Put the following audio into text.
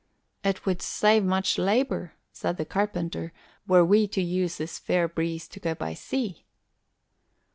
"It would save much labour," said the carpenter, "were we to use this fair breeze to go by sea."